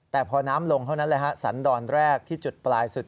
แต่พอน้ำลงเท่านั้นแหละฮะสันดรแรกที่จุดปลายสุด